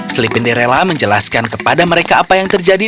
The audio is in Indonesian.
slipinderella menjelaskan kepada mereka apa yang terjadi